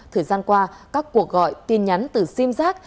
thời gian qua các cuộc gọi tin nhắn từ sim giác